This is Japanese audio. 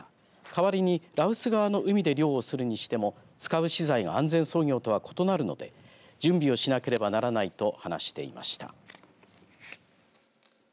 代わりに羅臼側の海で漁をするにしても使う資材が安全操業とは異なるので準備をしなければならないと話していました。